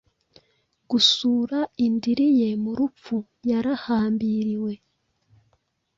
Gusura indiri ye mu rupfu yarahambiriwe